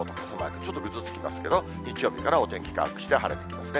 ちょっとぐずつきますけど、日曜日からお天気回復して晴れてきますね。